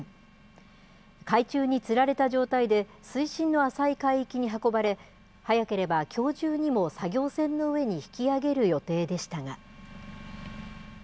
海中につられた状態で、水深の浅い海域に運ばれ、早ければきょう中にも作業船の上に引き揚げる予定でしたが。